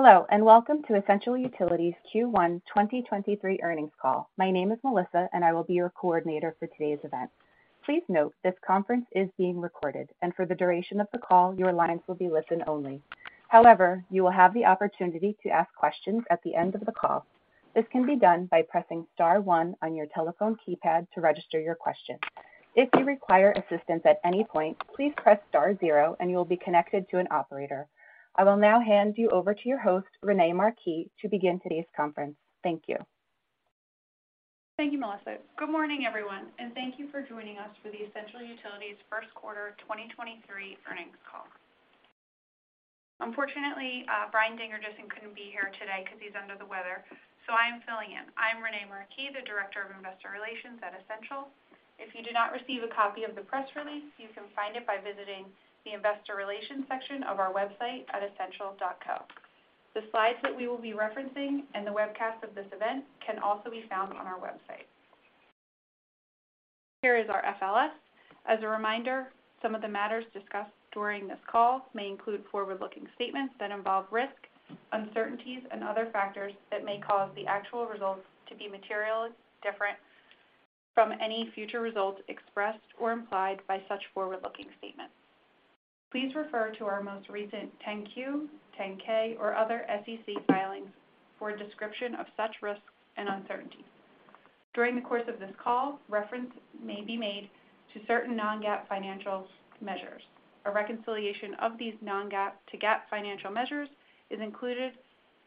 Hello, welcome to Essential Utilities Q1 2023 earnings call. My name is Melissa, I will be your coordinator for today's event. Please note this conference is being recorded, for the duration of the call, your lines will be listen only. However, you will have the opportunity to ask questions at the end of the call. This can be done by pressing star one on your telephone keypad to register your question. If you require assistance at any point, please press star zero and you will be connected to an operator. I will now hand you over to your host, Renee Marquis, to begin today's conference. Thank you. Thank you, Melissa. Good morning, everyone, and thank you for joining us for the Essential Utilities first quarter 2023 earnings call. Unfortunately, Brian Dinger couldn't be here today 'cause he's under the weather, so I am filling in. I'm Renee Marquis, the Director of Investor Relations at Essential. If you do not receive a copy of the press release, you can find it by visiting the investor relations section of our website at essential.com. The slides that we will be referencing and the webcast of this event can also be found on our website. Here is our FLS. As a reminder, some of the matters discussed during this call may include Forward-Looking Statements that involve risk, uncertainties, and other factors that may cause the actual results to be materially different from any future results expressed or implied by such Forward-Looking Statements. Please refer to our most recent 10-Q, 10-K, or other SEC filings for a description of such risks and uncertainties. During the course of this call, reference may be made to certain non-GAAP financials measures. A reconciliation of these non-GAAP to GAAP financial measures is included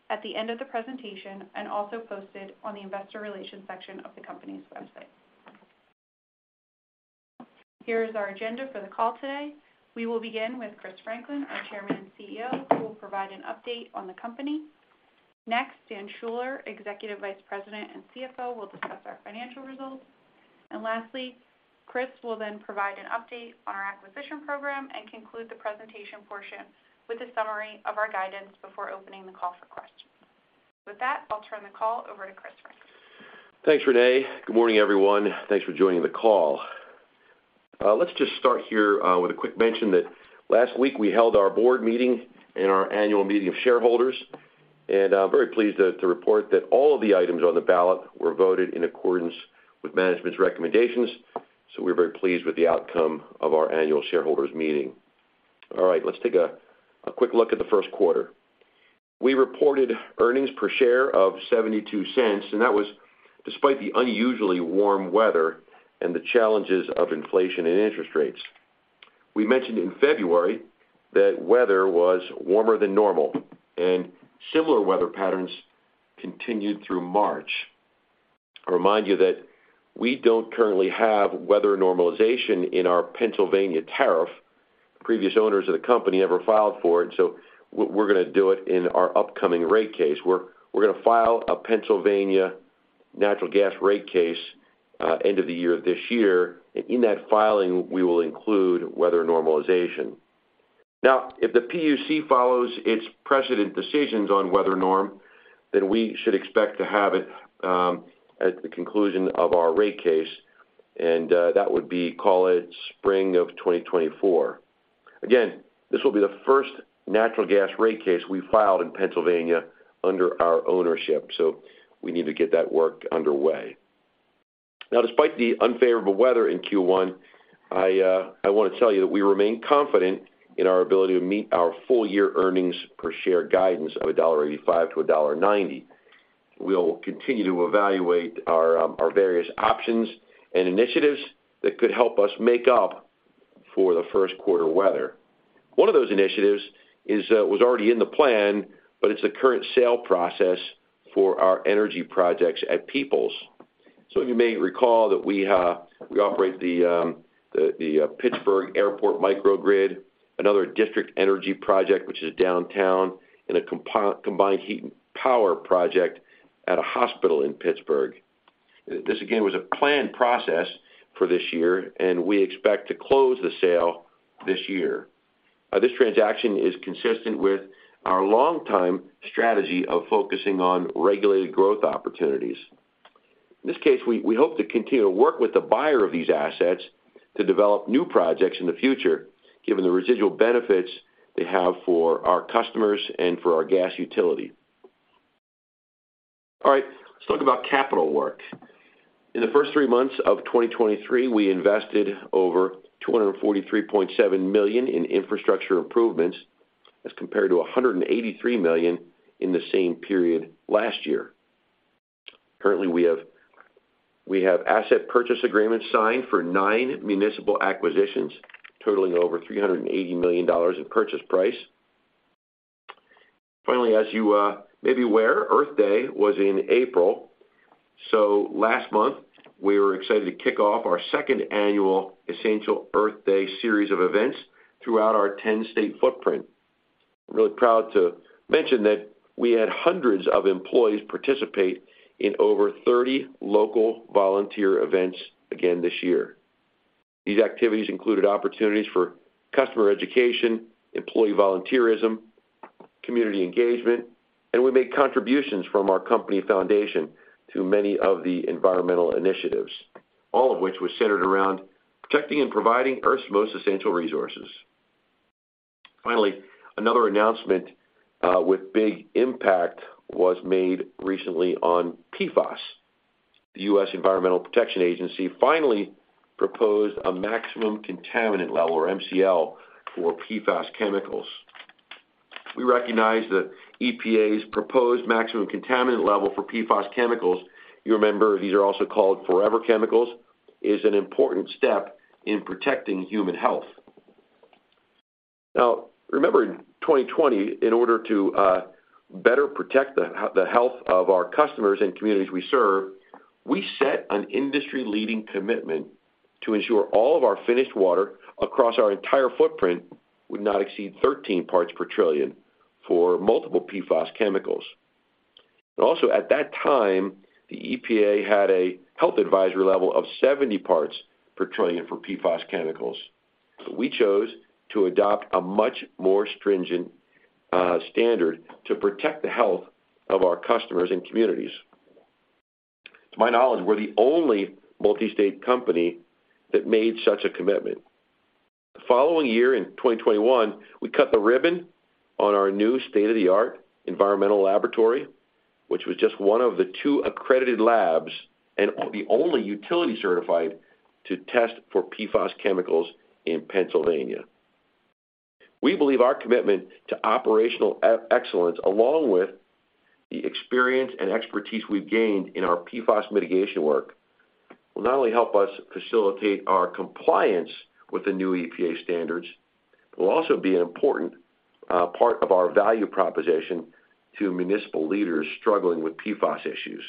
at the end of the presentation also posted on the investor relations section of the company's website. Here is our agenda for the call today. We will begin with Chris Franklin, our Chairman and CEO, who will provide an update on the company. Dan Schuller, Executive Vice President and CFO, will discuss our financial results. Lastly, Chris will then provide an update on our acquisition program and conclude the presentation portion with a summary of our guidance before opening the call for questions. With that, I'll turn the call over to Chris Franklin. Thanks, Renee. Good morning, everyone. Thanks for joining the call. Let's just start here with a quick mention that last week we held our board meeting and our annual meeting of shareholders, and I'm very pleased to report that all of the items on the ballot were voted in accordance with management's recommendations, so we're very pleased with the outcome of our annual shareholders meeting. All right, let's take a quick look at the first quarter. We reported earnings per share of $0.72, and that was despite the unusually warm weather and the challenges of inflation and interest rates. We mentioned in February that weather was warmer than normal, and similar weather patterns continued through March. I remind you that we don't currently have weather normalization in our Pennsylvania tariff. Previous owners of the company never filed for it, so we're gonna do it in our upcoming rate case. We're gonna file a Pennsylvania natural gas rate case, end of the year this year, and in that filing, we will include weather normalization. If the PUC follows its precedent decisions on weather norm, then we should expect to have it at the conclusion of our rate case, and that would be, call it spring of 2024. Again, this will be the first natural gas rate case we filed in Pennsylvania under our ownership, so we need to get that work underway. Despite the unfavorable weather in Q1, I want to tell you that we remain confident in our ability to meet our full-year earnings per share guidance of $1.85-$1.90. We'll continue to evaluate our various options and initiatives that could help us make up for the first quarter weather. One of those initiatives is was already in the plan, but it's a current sale process for our energy projects at Peoples. You may recall that we operate the Pittsburgh Airport Microgrid, another district energy project which is downtown, and a combined heat and power project at a hospital in Pittsburgh. This, again, was a planned process for this year, and we expect to close the sale this year. This transaction is consistent with our longtime strategy of focusing on regulated growth opportunities. In this case, we hope to continue to work with the buyer of these assets to develop new projects in the future, given the residual benefits they have for our customers and for our gas utility. All right. Let's talk about capital work. In the first three months of 2023, we invested over $243.7 million in infrastructure improvements as compared to $183 million in the same period last year. Currently, we have asset purchase agreements signed for nine municipal acquisitions, totaling over $380 million in purchase price. Finally, as you may be aware, Earth Day was in April. Last month, we were excited to kick off our second annual Essential Earth Day series of events throughout our 10-state footprint. I'm really proud to mention that we had hundreds of employees participate in over 30 local volunteer events again this year. These activities included opportunities for customer education, employee volunteerism, community engagement. We made contributions from our company foundation to many of the environmental initiatives. All of which was centered around protecting and providing Earth's most essential resources. Finally, another announcement with big impact was made recently on PFAS. The US Environmental Protection Agency finally proposed a maximum contaminant level, or MCL, for PFAS chemicals. We recognize that EPA's proposed maximum contaminant level for PFAS chemicals, you remember, these are also called forever chemicals, is an important step in protecting human health. Remember in 2020, in order to better protect the health of our customers and communities we serve, we set an industry-leading commitment to ensure all of our finished water across our entire footprint would not exceed 13 parts per trillion for multiple PFAS chemicals. Also at that time, the EPA had a health advisory level of 70 parts per trillion for PFAS chemicals. We chose to adopt a much more stringent standard to protect the health of our customers and communities. To my knowledge, we're the only multi-state company that made such a commitment. The following year, in 2021, we cut the ribbon on our new state-of-the-art environmental laboratory, which was just one of the two accredited labs and the only utility certified to test for PFAS chemicals in Pennsylvania. We believe our commitment to operational excellence, along with the experience and expertise we've gained in our PFAS mitigation work, will not only help us facilitate our compliance with the new EPA standards, but will also be an important part of our value proposition to municipal leaders struggling with PFAS issues.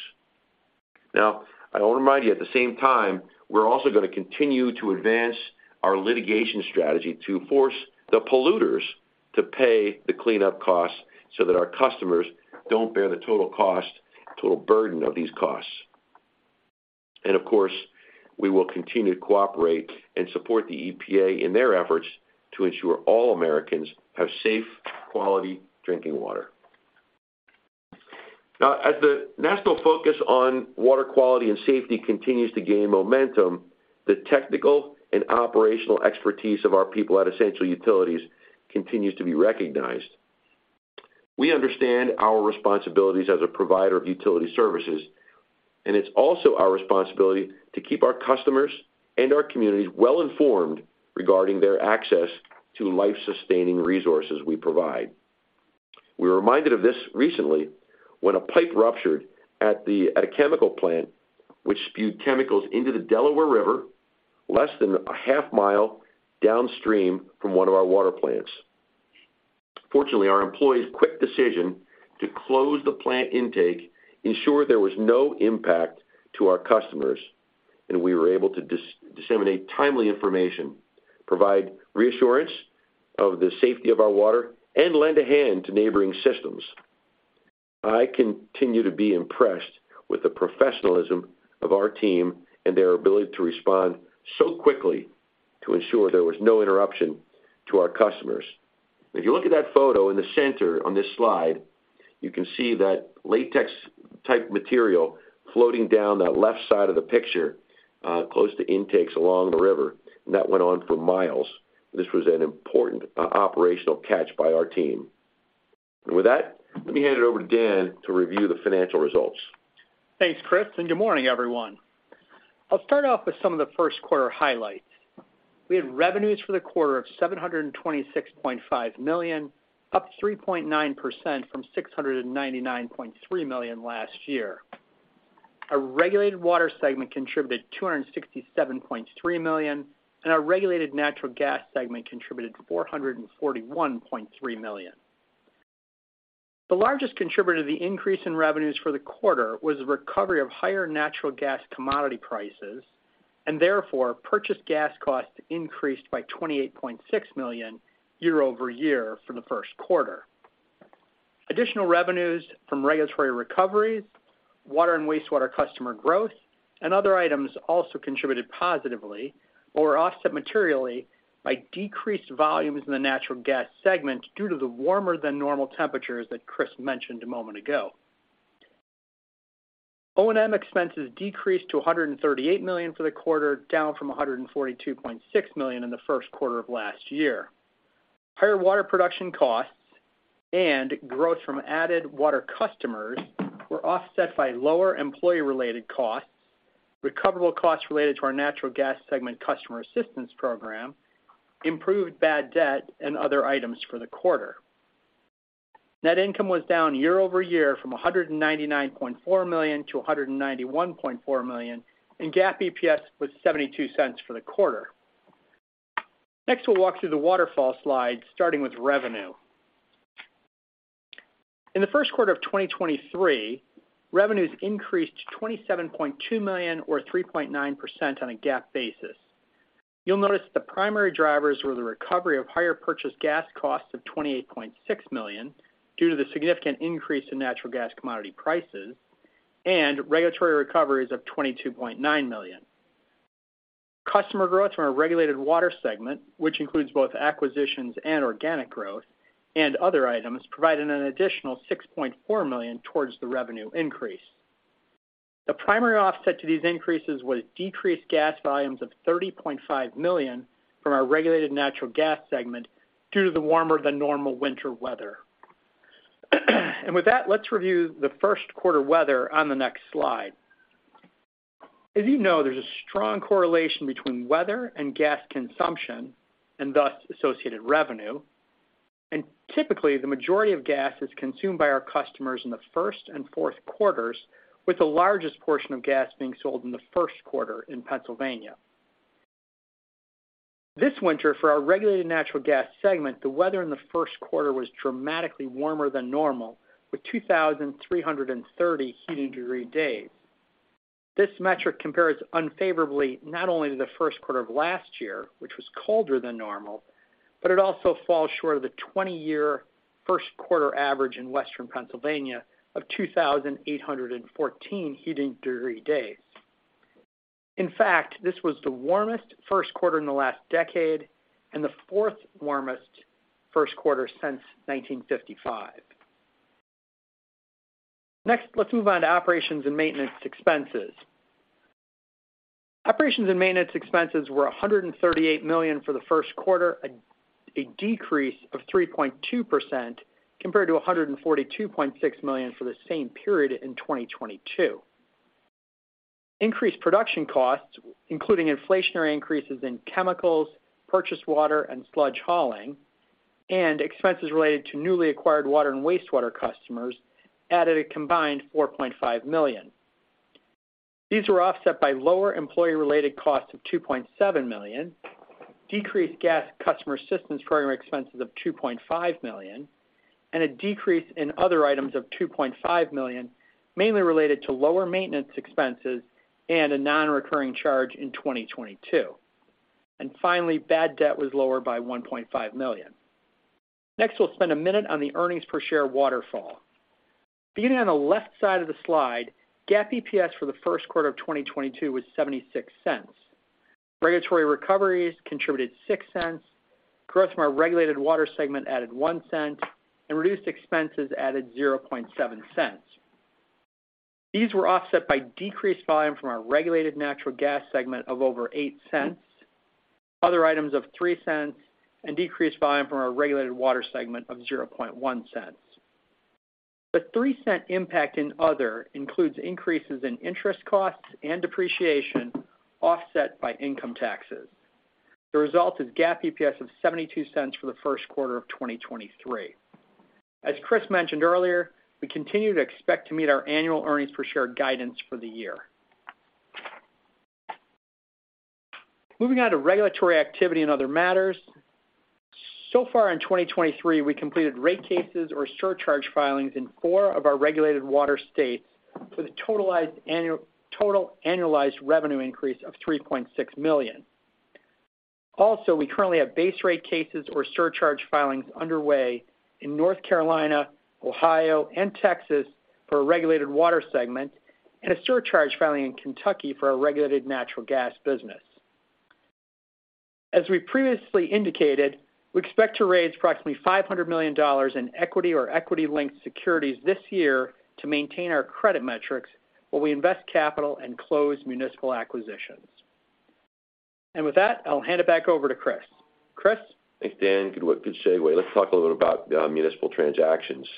I wanna remind you, at the same time, we're also gonna continue to advance our litigation strategy to force the polluters to pay the cleanup costs so that our customers don't bear the total cost, total burden of these costs. Of course, we will continue to cooperate and support the EPA in their efforts to ensure all Americans have safe, quality drinking water. As the national focus on water quality and safety continues to gain momentum, the technical and operational expertise of our people at Essential Utilities continues to be recognized. We understand our responsibilities as a provider of utility services. It's also our responsibility to keep our customers and our communities well informed regarding their access to life-sustaining resources we provide. We were reminded of this recently when a pipe ruptured at a chemical plant which spewed chemicals into the Delaware River less than a half mile downstream from one of our water plants. Fortunately, our employees' quick decision to close the plant intake ensured there was no impact to our customers, and we were able to disseminate timely information, provide reassurance of the safety of our water, and lend a hand to neighboring systems. I continue to be impressed with the professionalism of our team and their ability to respond so quickly to ensure there was no interruption to our customers. If you look at that photo in the center on this slide, you can see that latex-type material floating down that left side of the picture, close to intakes along the river, and that went on for miles. This was an important operational catch by our team. With that, let me hand it over to Dan to review the financial results. Thanks, Chris, and good morning, everyone. I'll start off with some of the first quarter highlights. We had revenues for the quarter of $726.5 million, up 3.9% from $699.3 million last year. Our regulated water segment contributed $267.3 million, and our regulated natural gas segment contributed $441.3 million. The largest contributor to the increase in revenues for the quarter was the recovery of higher natural gas commodity prices, and therefore, purchased gas costs increased by $28.6 million year-over-year for the first quarter. Additional revenues from regulatory recoveries, water and wastewater customer growth, and other items also contributed positively or were offset materially by decreased volumes in the natural gas segment due to the warmer than normal temperatures that Chris mentioned a moment ago. O&M expenses decreased to $138 million for the quarter, down from $142.6 million in the first quarter of last year. Higher water production costs and growth from added water customers were offset by lower employee-related costs, recoverable costs related to our natural gas segment customer assistance program, improved bad debt, and other items for the quarter. Net income was down year-over-year from $199.4 million-$191.4 million, and GAAP EPS was $0.72 for the quarter. We'll walk through the waterfall slide, starting with revenue. In the first quarter of 2023, revenues increased to $27.2 million or 3.9% on a GAAP basis. You'll notice the primary drivers were the recovery of higher purchased gas costs of $28.6 million due to the significant increase in natural gas commodity prices and regulatory recoveries of $22.9 million. Customer growth from our regulated water segment, which includes both acquisitions and organic growth and other items, provided an additional $6.4 million towards the revenue increase. The primary offset to these increases was decreased gas volumes of $30.5 million from our regulated natural gas segment due to the warmer than normal winter weather. With that, let's review the first quarter weather on the next slide. As you know, there's a strong correlation between weather and gas consumption, and thus associated revenue. Typically, the majority of gas is consumed by our customers in the first and fourth quarters, with the largest portion of gas being sold in the first quarter in Pennsylvania. This winter, for our regulated natural gas segment, the weather in the first quarter was dramatically warmer than normal, with 2,330 heating degree days. This metric compares unfavorably not only to the first quarter of last year, which was colder than normal, but it also falls short of the 20-year first quarter average in western Pennsylvania of 2,814 heating degree days. In fact, this was the warmest first quarter in the last decade and the fourth warmest first quarter since 1955. Let's move on to operations and maintenance expenses. Operations and maintenance expenses were $138 million for the first quarter, a decrease of 3.2% compared to $142.6 million for the same period in 2022. Increased production costs, including inflationary increases in chemicals, purchased water, and sludge hauling and expenses related to newly acquired water and wastewater customers added a combined $4.5 million. These were offset by lower employee-related costs of $2.7 million, decreased gas customer assistance program expenses of $2.5 million, and a decrease in other items of $2.5 million, mainly related to lower maintenance expenses and a non-recurring charge in 2022. Finally, bad debt was lower by $1.5 million. Next, we'll spend a minute on the earnings per share waterfall. Beginning on the left side of the slide, GAAP EPS for the first quarter of 2022 was $0.76. Regulatory recoveries contributed $0.06, growth from our regulated water segment added $0.01, and reduced expenses added $0.007. These were offset by decreased volume from our regulated natural gas segment of over $0.08, other items of $0.03, and decreased volume from our regulated water segment of $0.001. The $0.03 impact in other includes increases in interest costs and depreciation offset by income taxes. The result is GAAP EPS of $0.72 for the first quarter of 2023. As Chris mentioned earlier, we continue to expect to meet our annual earnings per share guidance for the year. Moving on to regulatory activity and other matters. Far in 2023, we completed rate cases or surcharge filings in four of our regulated water states with a total annualized revenue increase of $3.6 million. Also, we currently have base rate cases or surcharge filings underway in North Carolina, Ohio, and Texas for our regulated water segment, and a surcharge filing in Kentucky for our regulated natural gas business. As we previously indicated, we expect to raise approximately $500 million in equity or equity-linked securities this year to maintain our credit metrics while we invest capital and close municipal acquisitions. With that, I'll hand it back over to Chris. Chris? Thanks, Dan. Good segue. Let's talk a little bit about municipal transactions.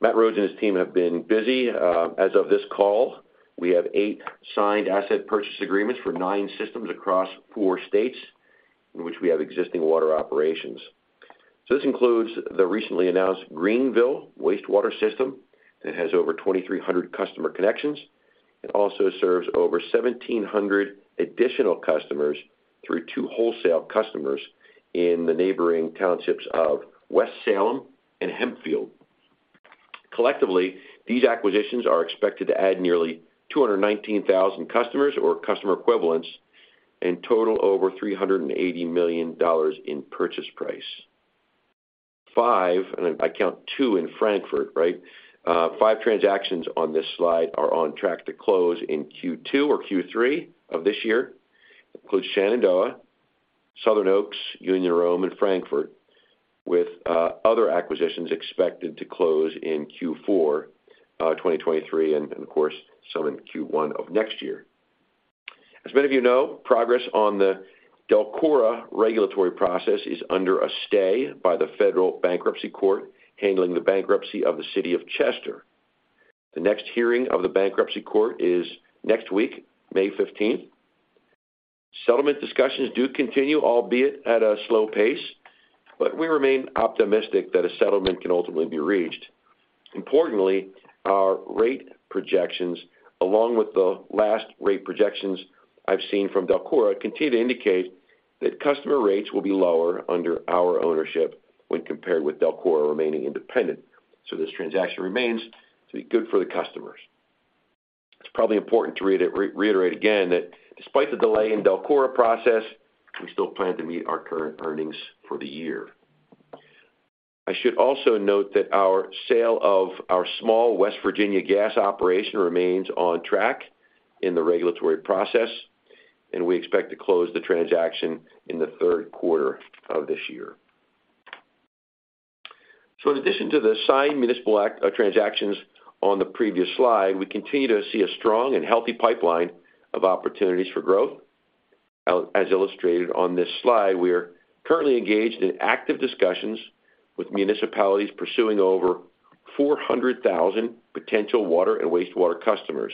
Matt Rhodes and his team have been busy. As of this call, we have eight signed asset purchase agreements for nine systems across four states in which we have existing water operations. This includes the recently announced Greenville Wastewater system that has over 2,300 customer connections. It also serves over 1,700 additional customers through two wholesale customers in the neighboring townships of West Salem and Hempfield. Collectively, these acquisitions are expected to add nearly 219,000 customers or customer equivalents and total over $380 million in purchase price. Five, and I count two in Frankfort, right? Five transactions on this slide are on track to close in Q2 or Q3 of this year. Includes Shenandoah, Southern Oaks, Union Rome, and Frankfort, with other acquisitions expected to close in Q4 2023 and of course, some in Q1 of next year. As many of you know, progress on the DELCORA regulatory process is under a stay by the federal bankruptcy court handling the bankruptcy of the City of Chester. The next hearing of the bankruptcy court is next week, May 15th. Settlement discussions do continue, albeit at a slow pace, but we remain optimistic that a settlement can ultimately be reached. Importantly, our rate projections, along with the last rate projections I've seen from DELCORA, continue to indicate that customer rates will be lower under our ownership when compared with DELCORA remaining independent. This transaction remains to be good for the customers. It's probably important to reiterate that despite the delay in DELCORA process, we still plan to meet our current earnings for the year. I should also note that our sale of our small West Virginia gas operation remains on track in the regulatory process, and we expect to close the transaction in the third quarter of this year. In addition to the signed municipal act transactions on the previous slide, we continue to see a strong and healthy pipeline of opportunities for growth. As illustrated on this slide, we are currently engaged in active discussions with municipalities pursuing over 400,000 potential water and wastewater customers.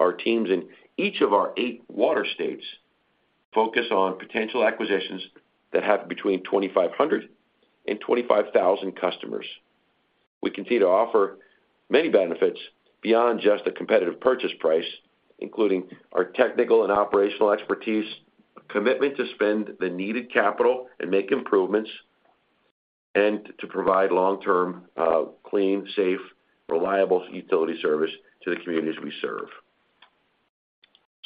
Our teams in each of our 8 water states focus on potential acquisitions that have between 2,500 and 25,000 customers. We continue to offer many benefits beyond just a competitive purchase price, including our technical and operational expertise, a commitment to spend the needed capital and make improvements, and to provide long-term, clean, safe, reliable utility service to the communities we serve.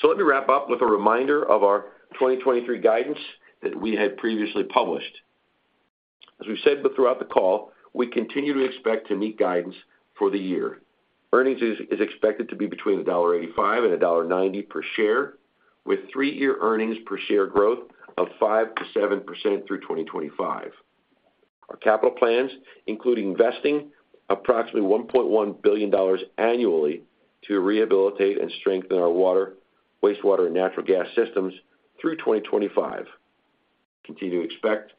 Let me wrap up with a reminder of our 2023 guidance that we had previously published. As we've said throughout the call, we continue to expect to meet guidance for the year. Earnings is expected to be between $1.85 and $1.90 per share, with three year earnings per share growth of 5%-7% through 2025. Our capital plans include investing approximately $1.1 billion annually to rehabilitate and strengthen our water, wastewater, and natural gas systems through 2025. Continue to expect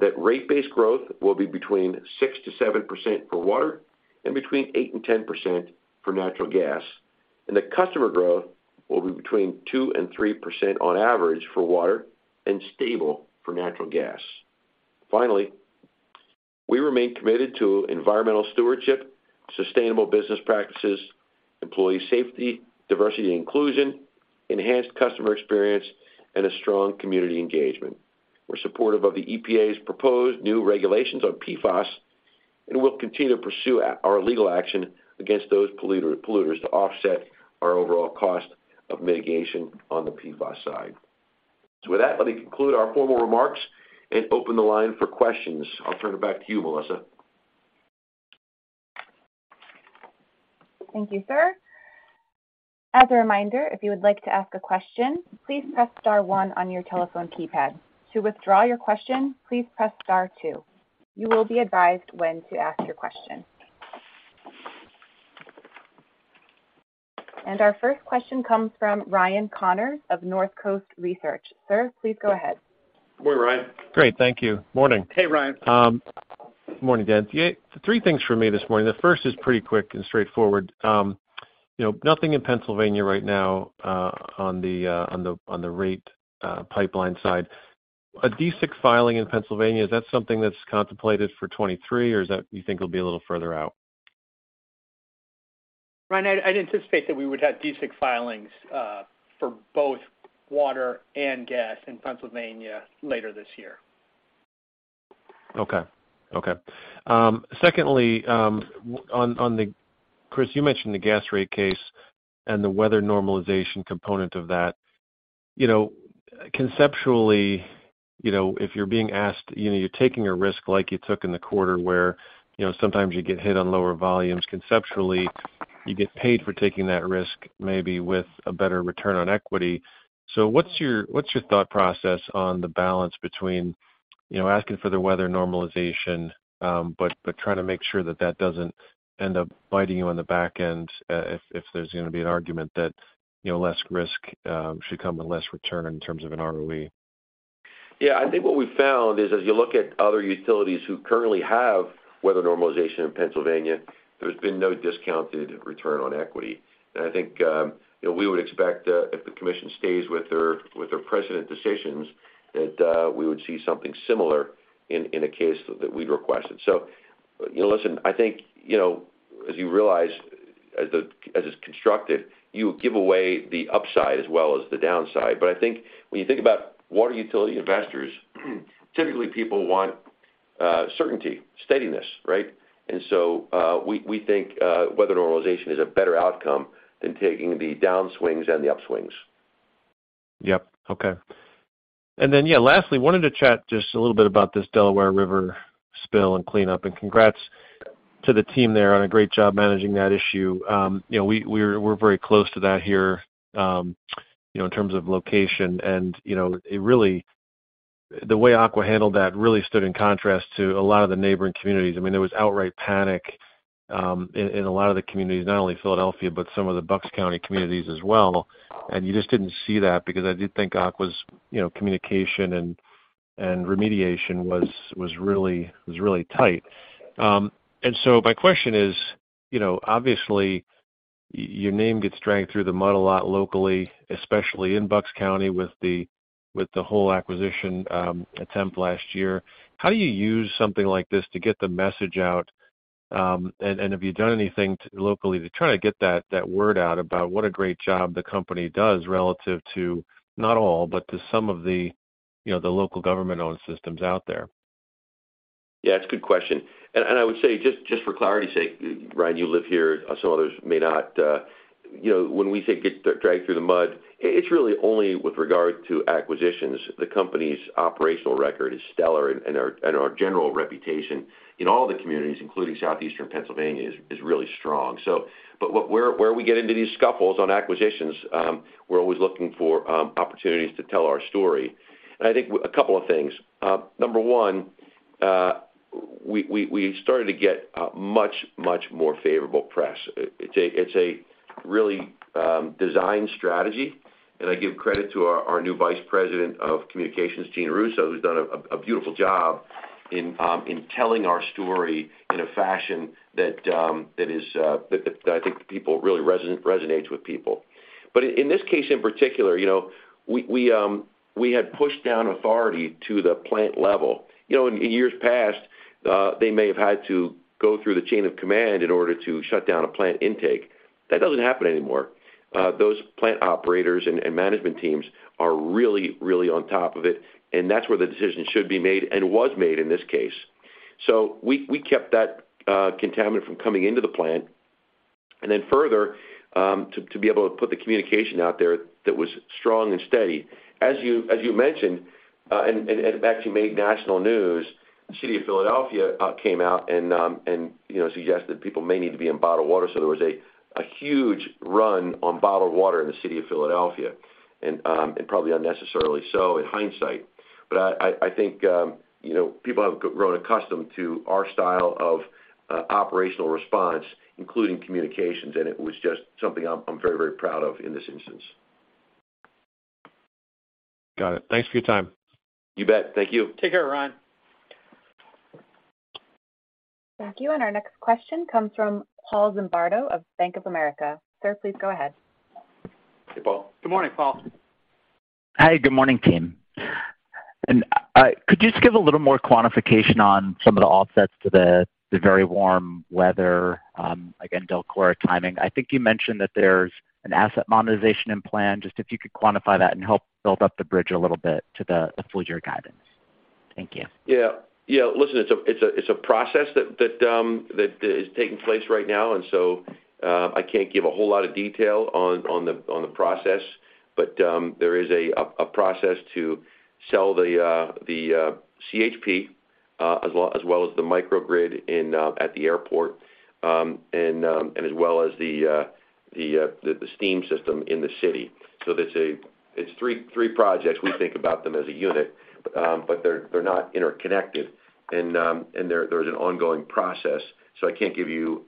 that rate-based growth will be between 6%-7% for water and between 8%-10% for natural gas, and the customer growth will be between 2%-3% on average for water and stable for natural gas. Finally, we remain committed to environmental stewardship, sustainable business practices, employee safety, diversity and inclusion, enhanced customer experience, and a strong community engagement. We're supportive of the EPA's proposed new regulations on PFAS, and we'll continue to pursue our legal action against those polluters to offset our overall cost of mitigation on the PFAS side. With that, let me conclude our formal remarks and open the line for questions. I'll turn it back to you, Melissa. Thank you, sir. As a reminder, if you would like to ask a question, please press star one on your telephone keypad. To withdraw your question, please press star two. You will be advised when to ask your question. Our first question comes from Ryan Connors of Northcoast Research. Sir, please go ahead. Good morning, Ryan. Great. Thank you. Morning. Hey, Ryan. Good morning, guys. Yeah, three things for me this morning. The first is pretty quick and straightforward. you know, nothing in Pennsylvania right now, on the rate pipeline side. A DSIC filing in Pennsylvania, is that something that's contemplated for 23, or is that you think it'll be a little further out? Ryan, I'd anticipate that we would have DSIC filings for both water and gas in Pennsylvania later this year. Okay. Okay. Secondly, Chris, you mentioned the gas rate case and the weather normalization component of that. You know, conceptually, you know, if you're being asked, you know, you're taking a risk like you took in the quarter where, you know, sometimes you get hit on lower volumes, conceptually, you get paid for taking that risk maybe with a better return on equity. What's your thought process on the balance between, you know, asking for the weather normalization, but trying to make sure that that doesn't end up biting you on the back end, if there's gonna be an argument that, you know, less risk should come with less return in terms of an ROE? Yeah. I think what we've found is as you look at other utilities who currently have weather normalization in Pennsylvania, there's been no discounted return on equity. I think, you know, we would expect if the commission stays with their, with their precedent decisions, that we would see something similar in a case that we'd requested. You know, listen, I think, you know, as you realize as it's constructed, you give away the upside as well as the downside. I think when you think about water utility investors, typically people want certainty, steadiness, right? So, we think weather normalization is a better outcome than taking the downswings and the upswings. Yep. Okay. Yeah, lastly, wanted to chat just a little bit about this Delaware River spill and cleanup. Congrats to the team there on a great job managing that issue. You know, we're very close to that here, you know, in terms of location and, you know, the way Aqua handled that really stood in contrast to a lot of the neighboring communities. I mean, there was outright panic in a lot of the communities, not only Philadelphia, but some of the Bucks County communities as well. You just didn't see that because I did think Aqua's, you know, communication and remediation was really tight. My question is, you know, obviously, your name gets dragged through the mud a lot locally, especially in Bucks County with the whole acquisition attempt last year. How do you use something like this to get the message out? And have you done anything locally to try to get that word out about what a great job the company does relative to not all, but to some of the, you know, the local government-owned systems out there? Yeah, it's a good question. I would say, just for clarity's sake, Ryan, you live here, some others may not. You know, when we say get dragged through the mud, it's really only with regard to acquisitions. The company's operational record is stellar, and our general reputation in all the communities, including Southeastern Pennsylvania, is really strong. But where we get into these scuffles on acquisitions, we're always looking for opportunities to tell our story. I think a couple of things. Number one, we started to get a much more favorable press. It's a really design strategy, and I give credit to our new vice president of communications, Gina Russo, who's done a beautiful job in telling our story in a fashion that is that I think people really resonates with people. In this case, in particular, you know, we had pushed down authority to the plant level. You know, in years past, they may have had to go through the chain of command in order to shut down a plant intake. That doesn't happen anymore. Those plant operators and management teams are really on top of it, and that's where the decision should be made and was made in this case. We kept that contaminant from coming into the plant. Further, to be able to put the communication out there that was strong and steady. As you mentioned, and actually made national news, City of Philadelphia came out and, you know, suggested people may need to be in bottled water. There was a huge run on bottled water in the City of Philadelphia, and probably unnecessarily so in hindsight. I think, you know, people have grown accustomed to our style of operational response, including communications, and it was just something I'm very, very proud of in this instance. Got it. Thanks for your time. You bet. Thank you. Take care, Ryan. Thank you. Our next question comes from Paul Zimbardo of Bank of America. Sir, please go ahead. Hey, Paul. Good morning, Paul. Hi, good morning, team. Could you just give a little more quantification on some of the offsets to the very warm weather, again, DELCORA timing? I think you mentioned that there's an asset monetization in plan. Just if you could quantify that and help build up the bridge a little bit to the full-year guidance. Thank you. Yeah. Yeah. Listen, it's a process that is taking place right now. I can't give a whole lot of detail on the process. There is a process to sell the CHP, as well, as well as the microgrid in at the airport, and as well as the steam system in the city. It's three projects. We think about them as a unit, but they're not interconnected. There's an ongoing process, so I can't give you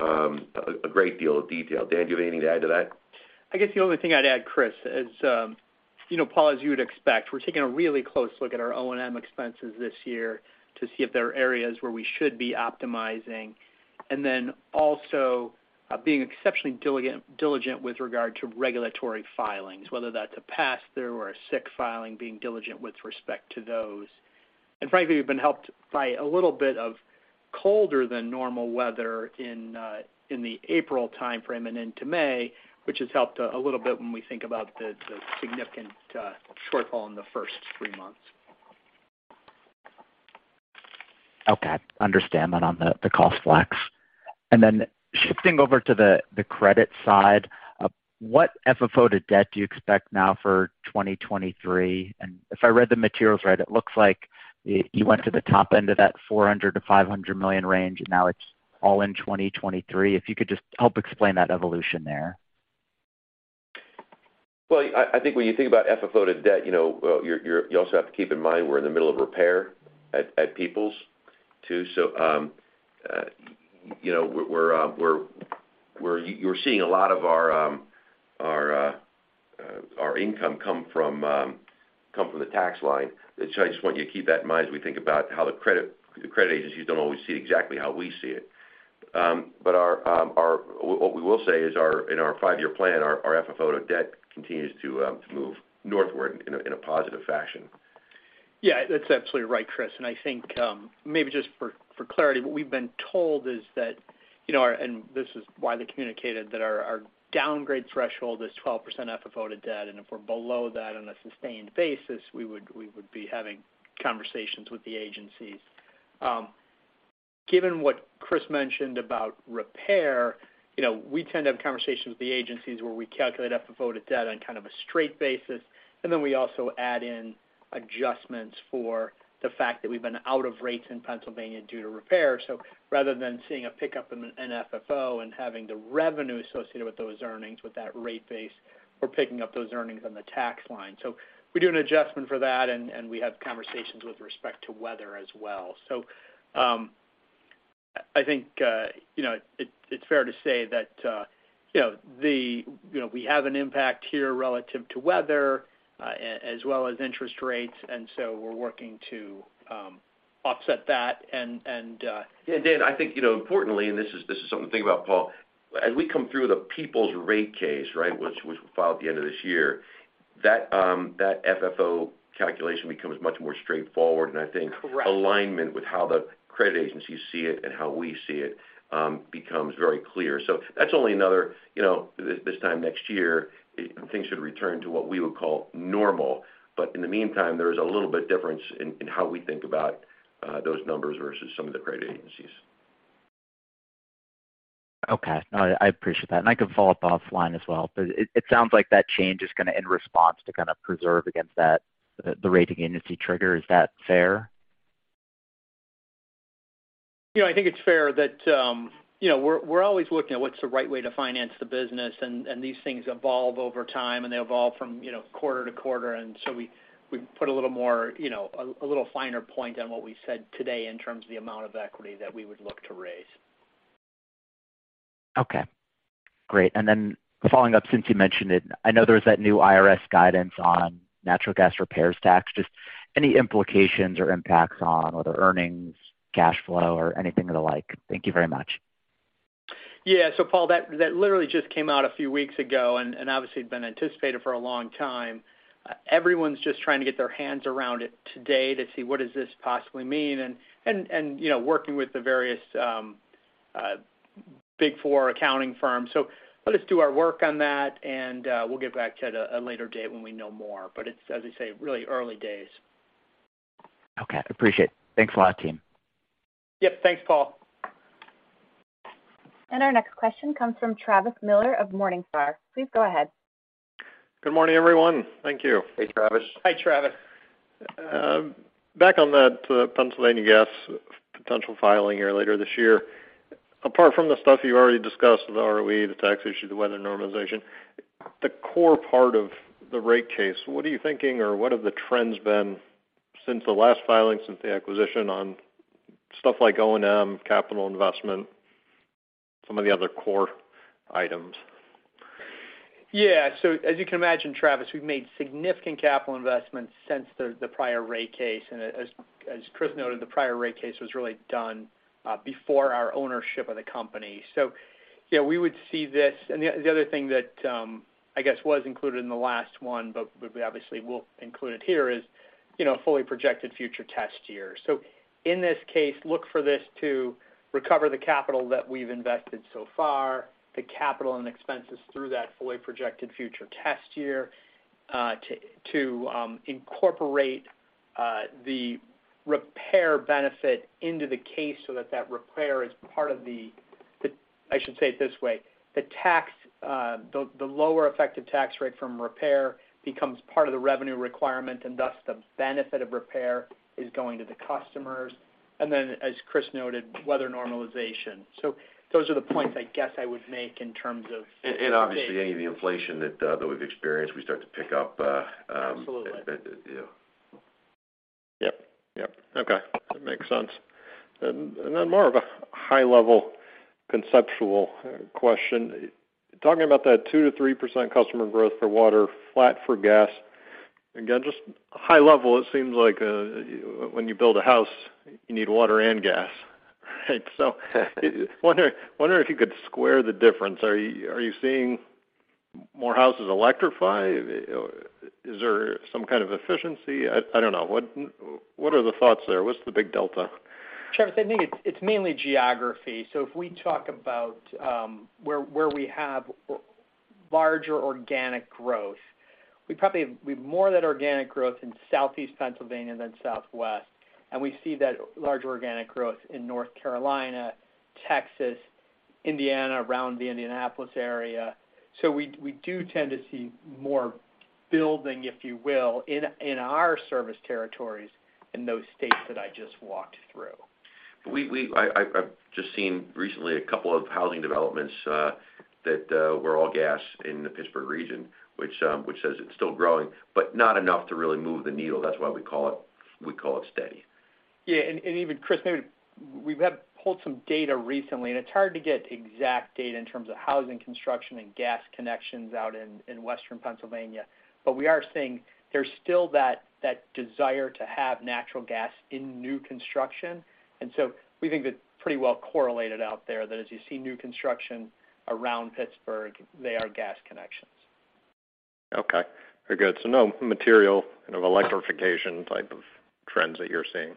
a great deal of detail. Dan, do you have anything to add to that? I guess the only thing I'd add, Chris, is, you know, Paul, as you would expect, we're taking a really close look at our O&M expenses this year to see if there are areas where we should be optimizing, and then also, being exceptionally diligent with regard to regulatory filings, whether that's a pass-through or a SIC filing, being diligent with respect to those. Frankly, we've been helped by a little bit of colder than normal weather in the April timeframe and into May, which has helped a little bit when we think about the significant, shortfall in the first three months. Okay. Understand that on the cost flex. Then shifting over to the credit side, what FFO to debt do you expect now for 2023? If I read the materials right, it looks like you went to the top end of that $400 million-$500 million range, and now it's all in 2023. If you could just help explain that evolution there. Well, I think when you think about FFO to debt, you know, you also have to keep in mind we're in the middle of repair at Peoples too. You know, you're seeing a lot of our income come from the tax line. I just want you to keep that in mind as we think about how the credit agencies don't always see exactly how we see it. What we will say is in our five-year plan, our FFO to debt continues to move northward in a positive fashion. Yeah, that's absolutely right, Chris. I think, maybe just for clarity, what we've been told is that, you know, our and this is why they communicated that our downgrade threshold is 12% FFO to debt, and if we're below that on a sustained basis, we would be having conversations with the agencies. Given what Chris mentioned about repair, you know, we tend to have conversations with the agencies where we calculate FFO to debt on kind of a straight basis, and then we also add in adjustments for the fact that we've been out of rates in Pennsylvania due to repair. Rather than seeing a pickup in FFO and having the revenue associated with those earnings with that rate base, we're picking up those earnings on the tax line. We do an adjustment for that, and we have conversations with respect to weather as well. I think, you know, it's fair to say that, you know, we have an impact here relative to weather, as well as interest rates. We're working to offset that and. Yeah, Dan, I think, you know, importantly, and this is something to think about, Paul. As we come through the Peoples rate case, right, which we filed at the end of this year, that FFO calculation becomes much more straightforward. Correct. I think alignment with how the credit agencies see it and how we see it, becomes very clear. That's only another, you know, this time next year, things should return to what we would call normal. In the meantime, there is a little bit difference in how we think about those numbers versus some of the credit agencies. Okay. No, I appreciate that. I can follow up offline as well. It sounds like that change is kind of in response to kind of preserve against that, the rating agency trigger. Is that fair? You know, I think it's fair that, you know, we're always looking at what's the right way to finance the business, and these things evolve over time, and they evolve from, you know, quarter to quarter. We put a little more, you know, a little finer point on what we said today in terms of the amount of equity that we would look to raise. Okay. Great. Following up, since you mentioned it, I know there was that new IRS guidance on natural gas repairs tax. Any implications or impacts on other earnings, cash flow, or anything of the like? Thank you very much. Yeah. Paul, that literally just came out a few weeks ago and obviously had been anticipated for a long time. Everyone's just trying to get their hands around it today to see what does this possibly mean and, you know, working with the various Big Four accounting firms. Let us do our work on that, and we'll get back to you at a later date when we know more. It's, as I say, really early days. Okay. Appreciate it. Thanks a lot, team. Yep. Thanks, Paul. Our next question comes from Travis Miller of Morningstar. Please go ahead. Good morning, everyone. Thank you. Hey, Travis. Hi, Travis. Back on that Pennsylvania Gas potential filing here later this year. Apart from the stuff you already discussed with the ROE, the tax issue, the weather normalization, the core part of the rate case, what are you thinking or what have the trends been since the last filing, since the acquisition on stuff like O&M, capital investment, some of the other core items? As you can imagine, Travis, we've made significant capital investments since the prior rate case. As Chris noted, the prior rate case was really done before our ownership of the company. Yeah, we would see this. The other thing that, I guess, was included in the last one, but we obviously will include it here is, you know, fully projected future test year. In this case, look for this to recover the capital that we've invested so far, the capital and expenses through that fully projected future test year, to incorporate the repair benefit into the case so that that repair is I should say it this way: the tax, the lower effective tax rate from repair becomes part of the revenue requirement, and thus the benefit of repair is going to the customers. As Chris noted, weather normalization. Those are the points I guess I would make in terms of. Obviously any of the inflation that we've experienced, we start to pick up. Absolutely. Yeah. Yep. Yep. Okay. That makes sense. Then more of a high-level conceptual question. Talking about that 2%-3% customer growth for water, flat for gas. Again, just high level, it seems like when you build a house, you need water and gas, right? Wondering if you could square the difference. Are you seeing more houses electrify? Is there some kind of efficiency? I don't know. What are the thoughts there? What's the big delta? Travis, I think it's mainly geography. If we talk about where we have larger organic growth, we have more of that organic growth in Southeast Pennsylvania than Southwest, and we see that larger organic growth in North Carolina, Texas, Indiana, around the Indianapolis area. We do tend to see more building, if you will, in our service territories in those states that I just walked through. We I've just seen recently a couple of housing developments that were all gas in the Pittsburgh region, which says it's still growing, but not enough to really move the needle. That's why we call it steady. Yeah. Even Chris, maybe pulled some data recently, and it's hard to get exact data in terms of housing construction and gas connections out in Western Pennsylvania. We are seeing there's still that desire to have natural gas in new construction. We think that's pretty well correlated out there, that as you see new construction around Pittsburgh, they are gas connections. Okay. Very good. No material kind of electrification type of trends that you're seeing.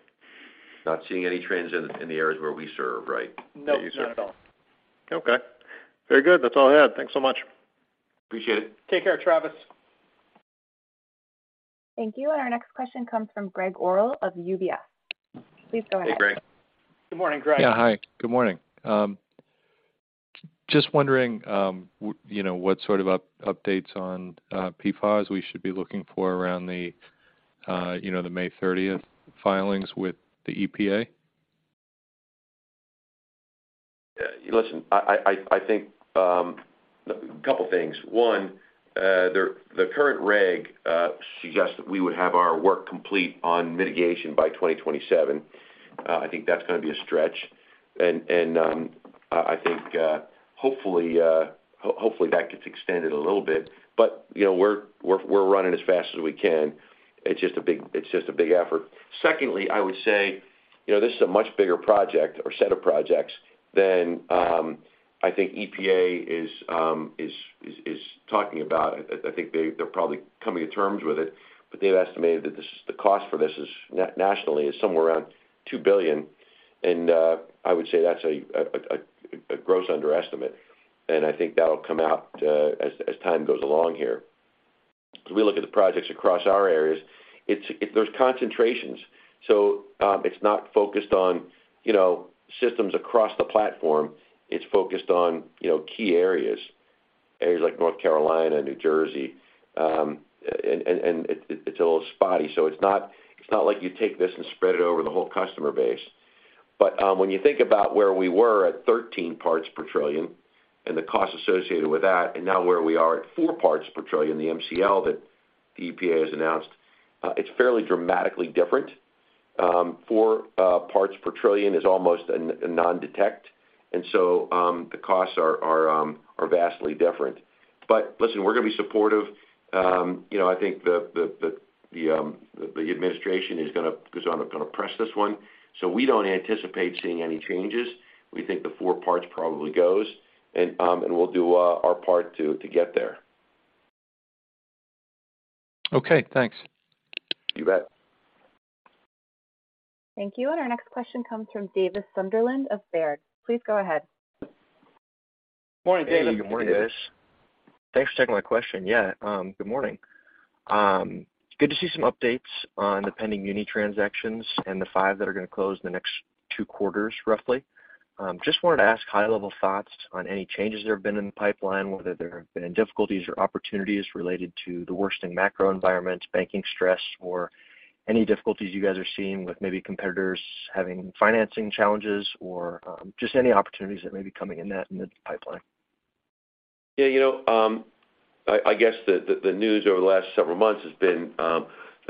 Not seeing any trends in the areas where we serve, right? No, not at all. Okay. Very good. That's all I had. Thanks so much. Appreciate it. Take care, Travis. Thank you. Our next question comes from Gregg Orrill of UBS. Please go ahead. Hey, Gregg. Good morning, Gregg. Yeah. Hi, good morning. Just wondering, you know, what sort of updates on PFAS we should be looking for around the, you know, the May thirtieth filings with the EPA? Listen, I think, couple things. One, the current reg suggests that we would have our work complete on mitigation by 2027. I think that's gonna be a stretch. I think, hopefully, that gets extended a little bit. You know, we're running as fast as we can. It's just a big effort. Secondly, I would say, you know, this is a much bigger project or set of projects than I think EPA is talking about. I think they're probably coming to terms with it, but they've estimated that the cost for this nationally is somewhere around $2 billion. I would say that's a gross underestimate, and I think that'll come out as time goes along here. As we look at the projects across our areas, there's concentrations. It's not focused on, you know, systems across the platform. It's focused on, you know, key areas like North Carolina, New Jersey. It's a little spotty, so it's not, it's not like you take this and spread it over the whole customer base. When you think about where we were at 13 parts per trillion and the cost associated with that, and now where we are at four parts per trillion, the MCL that the EPA has announced, it's fairly dramatically different. Four parts per trillion is almost a non-detect, and so the costs are vastly different. Listen, we're gonna be supportive. you know, I think the administration is gonna press this one. We don't anticipate seeing any changes. We think the four parts probably goes, and we'll do our part to get there. Okay, thanks. You bet. Thank you. Our next question comes from Davis Sunderland of Baird. Please go ahead. Morning, Davis. Hey, good morning, guys. Thanks for taking my question. Good morning. Good to see some updates on the pending muni transactions and the five that are gonna close in the next two quarters, roughly. Just wanted to ask high-level thoughts on any changes that have been in the pipeline, whether there have been any difficulties or opportunities related to the worsening macro environment, banking stress, or any difficulties you guys are seeing with maybe competitors having financing challenges or, just any opportunities that may be coming in the pipeline. Yeah, you know, I guess the news over the last several months has been an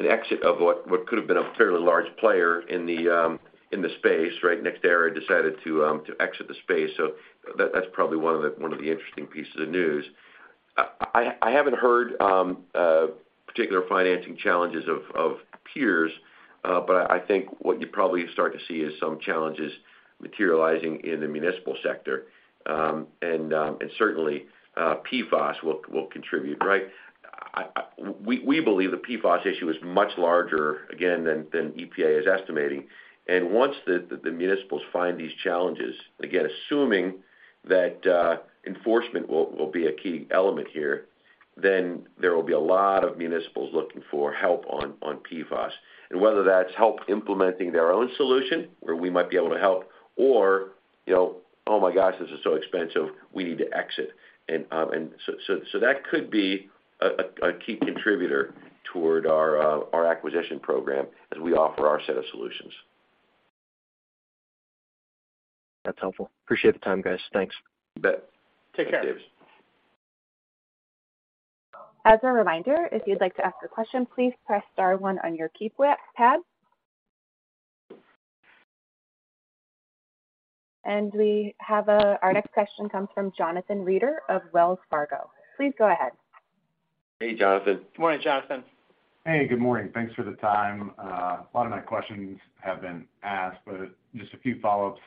exit of what could have been a fairly large player in the space, right? NextEra decided to exit the space, so that's probably one of the interesting pieces of news. I, haven't heard particular financing challenges of peers, but I think what you probably start to see is some challenges materializing in the municipal sector. Certainly, PFAS will contribute, right? We believe the PFAS issue is much larger, again, than EPA is estimating. Once the municipals find these challenges, again, assuming that enforcement will be a key element here, then there will be a lot of municipals looking for help on PFAS. Whether that's help implementing their own solution, where we might be able to help, or, you know, "Oh my gosh, this is so expensive, we need to exit." That could be a key contributor toward our acquisition program as we offer our set of solutions. That's helpful. Appreciate the time, guys. Thanks. You bet. Take care. Thanks, Davis. As a reminder, if you'd like to ask a question, please press star one on your keypad. Our next question comes from Jonathan Reeder of Wells Fargo. Please go ahead. Hey, Jonathan. Good morning, Jonathan. Hey, good morning. Thanks for the time. A lot of my questions have been asked, just a few follow-ups.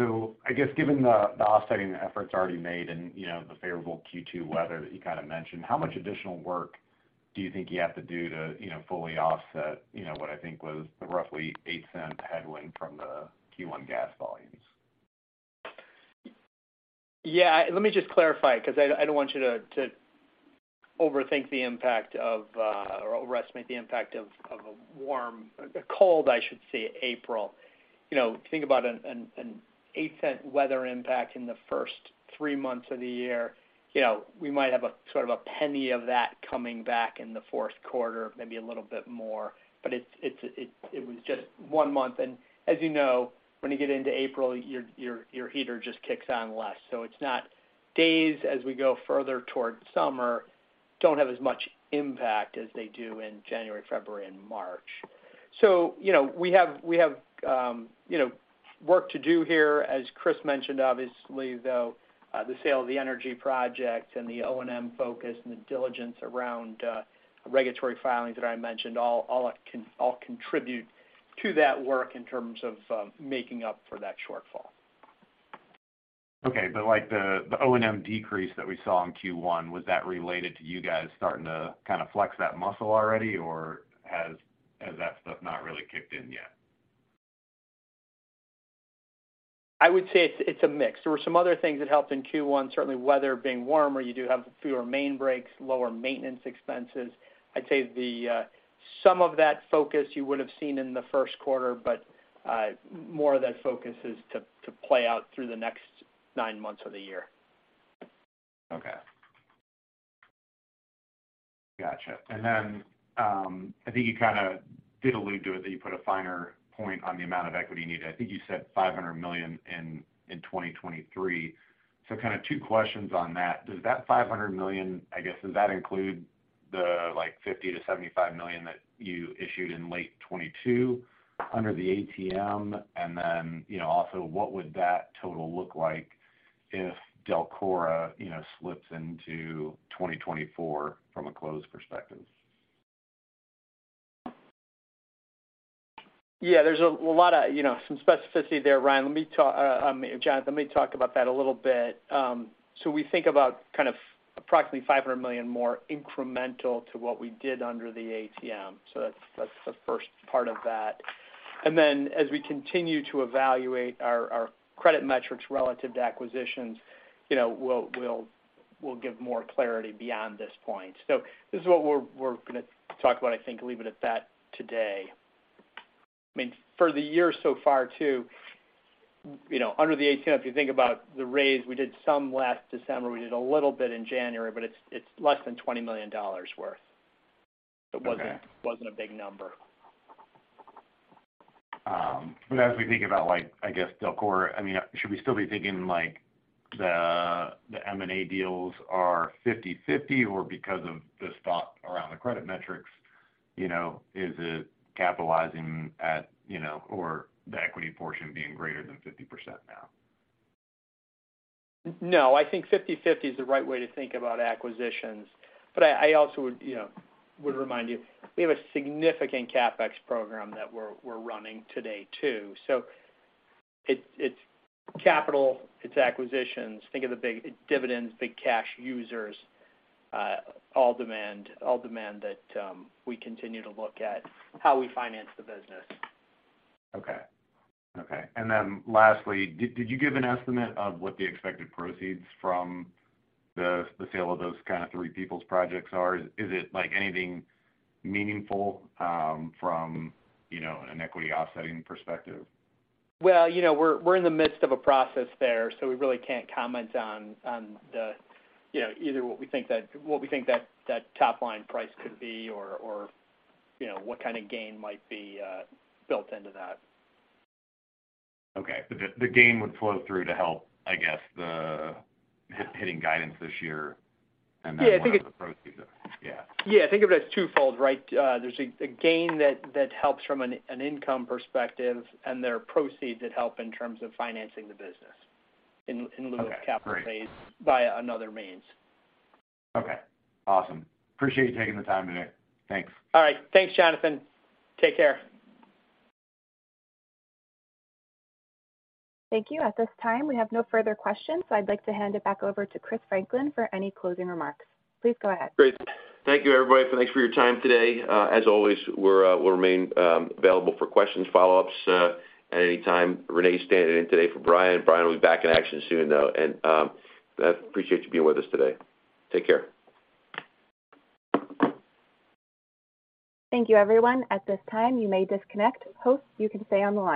I guess given the offsetting efforts already made and, you know, the favorable Q2 weather that you kind of mentioned, how much additional work do you think you have to do to, you know, fully offset, you know, what I think was the roughly $0.08 headwind from the Q1 gas volumes? Yeah. Let me just clarify because I don't want you to overthink the impact of, or overestimate the impact of a cold, I should say, April. You know, think about an $0.08 weather impact in the first three months of the year. You know, we might have a sort of a $0.01 of that coming back in the fourth quarter, maybe a little bit more. It was just one month. As you know, when you get into April, your heater just kicks on less. It's not days as we go further towards summer don't have as much impact as they do in January, February, and March. You know, we have, we have, you know, work to do here. As Chris mentioned, obviously, though, the sale of the energy project and the O&M focus and the diligence around regulatory filings that I mentioned all contribute to that work in terms of making up for that shortfall. Okay. Like the O&M decrease that we saw in Q1, was that related to you guys starting to kind of flex that muscle already, or has that stuff not really kicked in yet? I would say it's a mix. There were some other things that helped in Q1, certainly weather being warmer, you do have fewer main breaks, lower maintenance expenses. I'd say the some of that focus you would have seen in the first quarter, but more of that focus is to play out through the next nine months of the year. Okay. Gotcha. I think you kinda did allude to it, that you put a finer point on the amount of equity needed. I think you said $500 million in 2023. Kinda two questions on that. Does that $500 million, I guess, does that include the like $50 million-$75 million that you issued in late 2022 under the ATM? You know, also, what would that total look like if DELCORA, you know, slips into 2024 from a close perspective? Yeah, there's a lot of, you know, some specificity there, Ryan. Jonathan, let me talk about that a little bit. We think about kind of approximately $500 million more incremental to what we did under the ATM. That's the first part of that. As we continue to evaluate our credit metrics relative to acquisitions, you know, we'll give more clarity beyond this point. This is what we're gonna talk about, I think, leave it at that today. I mean, for the year so far too, you know, under the ATM, if you think about the raise, we did some last December, we did a little bit in January, but it's less than $20 million worth. Okay. It wasn't a big number. As we think about like, I guess, DELCORA, I mean, should we still be thinking like the M&A deals are 50/50 or because of the stop around the credit metrics, you know, is it capitalizing at, you know, or the equity portion being greater than 50% now? I think 50/50 is the right way to think about acquisitions. I also would, you know, would remind you, we have a significant CapEx program that we're running today, too. It's capital, it's acquisitions. Think of the big dividends, big cash users, all demand that we continue to look at how we finance the business. Okay. Okay. Lastly, did you give an estimate of what the expected proceeds from the sale of those kind of three Peoples projects are? Is it like anything meaningful, from, you know, an equity offsetting perspective? You know, we're in the midst of a process there, so we really can't comment on the, you know, either what we think that top line price could be or, you know, what kind of gain might be built into that. Okay. The gain would flow through to help, I guess, the hitting guidance this year and then- Yeah, I think... one of the proceeds. Yeah. Yeah. Think of it as twofold, right? There's a gain that helps from an income perspective, and there are proceeds that help in terms of financing the business in lieu-. Okay, great. of capital base via another means. Okay, awesome. Appreciate you taking the time today. Thanks. All right. Thanks, Jonathan. Take care. Thank you. At this time, we have no further questions, so I'd like to hand it back over to Chris Franklin for any closing remarks. Please go ahead. Great. Thank you, everybody. Thanks for your time today. as always, we'll remain available for questions, follow-ups, at any time. Renee's standing in today for Brian. Brian will be back in action soon, though. I appreciate you being with us today. Take care. Thank you, everyone. At this time, you may disconnect. Hosts, you can stay on the line.